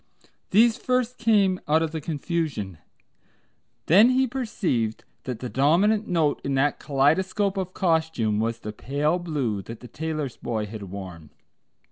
These first came out of the confusion. Then he perceived that the dominant note in that kaleidoscope of costume was the pale blue that the tailor's boy had worn.